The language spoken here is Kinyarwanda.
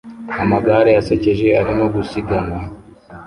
Amagare asekeje arimo gusiganwa